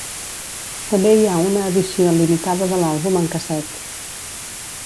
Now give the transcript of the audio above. També hi ha una edició limitada de l'àlbum en casset.